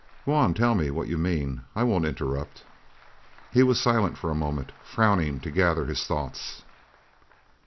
"Go on, tell me what you mean. I won't interrupt." He was silent for a moment, frowning to gather his thoughts.